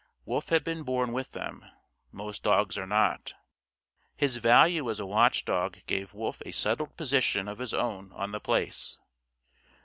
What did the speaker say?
Wolf had been born with them. Most dogs are not. His value as a watch dog gave Wolf a settled position of his own on The Place.